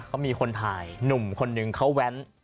เขามีคนถ่ายหนุ่มคนนึงเขาแว้น